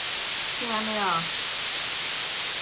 乾隆四十三年。